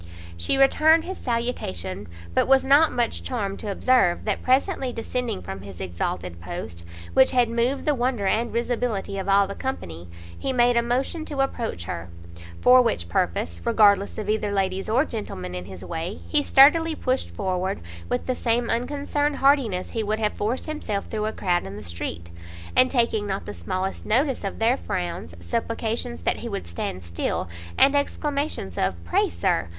She returned his salutation, but was not much charmed to observe, that presently descending from his exalted post, which had moved the wonder and risibility of all the company, he made a motion to approach her; for which purpose, regardless of either ladies or gentlemen in his way, he sturdily pushed forward, with the same unconcerned hardiness he would have forced himself through a crowd in the street; and taking not the smallest notice of their frowns, supplications that he would stand still, and exclamations of "Pray, Sir!"